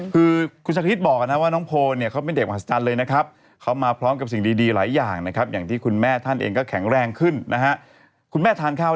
คือคุณชะคริสบอกนะว่าน้องโพเนี่ยเขาเป็นเด็กมาสตันเลยนะครับ